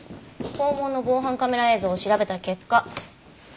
校門の防犯カメラ映像を調べた結果。